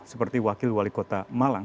seperti wakil wali kota malang